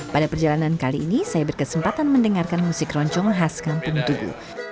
pada perjalanan kali ini saya berkesempatan mendengarkan musik keroncong khas kampung tugu